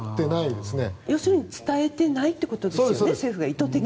要するに政府が意図的に伝えていないということですよね。